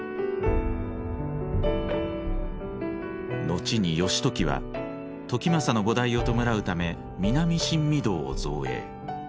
後に義時は時政の菩提を弔うため南新御堂を造営。